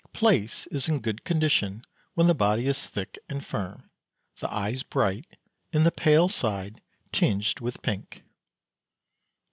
Plaice is in good condition when the body is thick and firm, the eyes bright, and the pale side tinged with pink.